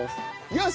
よし！